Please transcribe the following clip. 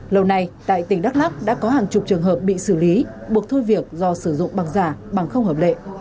lâu nay tại tỉnh đắk lắc đã có hàng chục trường hợp bị xử lý buộc thôi việc do sử dụng bằng giả bằng không hợp lệ